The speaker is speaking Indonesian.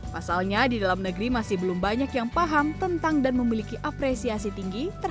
pasalnya di dalam negeri masih belum banyak yang paham tentang dan memiliki apresiasi tinggi